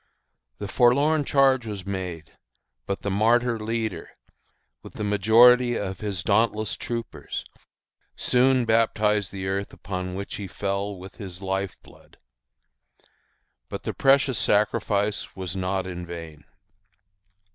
The forlorn charge was made, but the martyr leader, with the majority of his dauntless troopers, soon baptized the earth upon which he fell, with his life blood. But the precious sacrifice was not in vain.